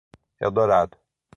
Eldorado